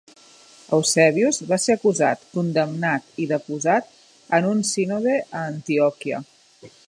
Eusebius va ser acusat, condemnat i deposat en un sínode a Antioquia.